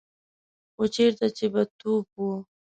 خو چېرته چې به توپ و.